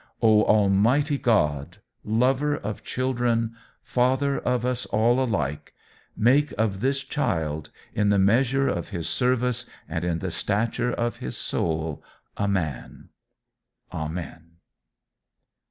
O Almighty God, Lover of children, Father of us all alike, make of this child, in the measure of his service and in the stature of his soul, a Man. Amen.